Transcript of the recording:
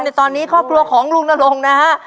ในตอนนี้ข้อปลัวของลุงนลงนะฮะ